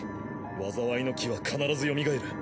災いの樹は必ずよみがえる。